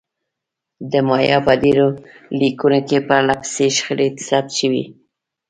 د مایا په ډبرلیکونو کې پرله پسې شخړې ثبت شوې.